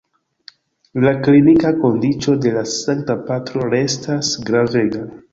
La klinika kondiĉo de la Sankta Patro restas gravega.